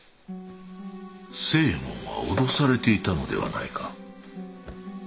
星右衛門は脅されていたのではないか？